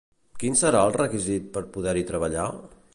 Quin serà el requisit per poder-hi treballar?